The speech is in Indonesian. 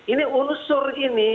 ini unsur ini